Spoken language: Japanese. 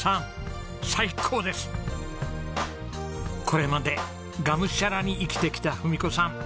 これまでがむしゃらに生きてきた文子さん。